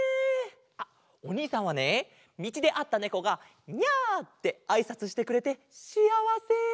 あっおにいさんはねみちであったネコが「ニャ」ってあいさつしてくれてシアワセ！